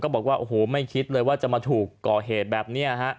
บอกว่าโอ้โหไม่คิดเลยว่าจะมาถูกก่อเหตุแบบนี้ฮะ